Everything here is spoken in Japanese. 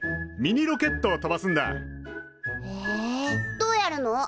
どうやるの？